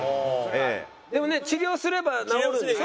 でもね治療すれば治るんでしょ？